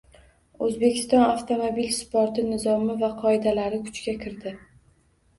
O‘zbekiston avtomobil sporti nizomi va qoidalari kuchga kirdi